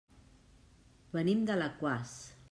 Venim d'Alaquàs.